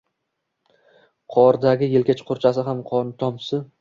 Qordagi yelka chuqurchasi izida qon tomchisi